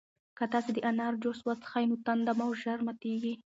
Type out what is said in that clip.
که تاسي د انار جوس وڅښئ نو تنده مو ژر ماتیږي.